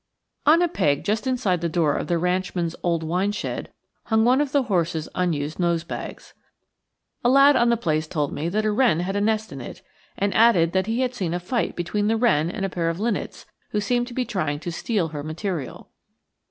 ON a peg just inside the door of the ranchman's old wine shed hung one of the horses' unused nosebags. A lad on the place told me that a wren had a nest in it, and added that he had seen a fight between the wren and a pair of linnets who seemed to be trying to steal her material.